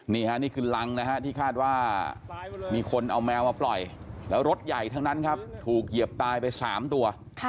นี่ค่ะนี่คือรังนะฮะที่คาดว่ามีคนเอาแมวมาปล่อยแล้วรถใหญ่ทั้งนั้นครับถูกเหยียบตายไป๓ตัว